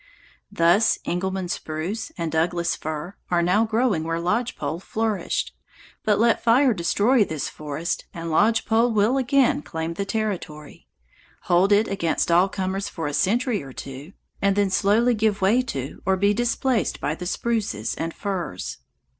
Thus Engelmann spruce and Douglas fir are now growing where lodge pole flourished, but let fire destroy this forest and lodge pole will again claim the territory, hold it against all comers for a century or two, and then slowly give way to or be displaced by the spruces and firs.